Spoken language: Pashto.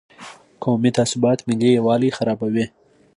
قومي تعصبات ملي یووالي خرابوي.